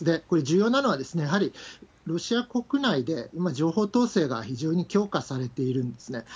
これ、重要なのはやはり、ロシア国内で情報統制が非常に強化されているんですね。